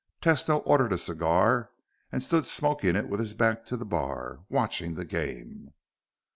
Tesno ordered a cigar and stood smoking it with his back to the bar, watching the game.